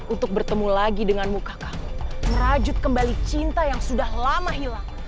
untuk bertemu lagi denganmu kak kang merajut kembali cinta yang sudah lama hilang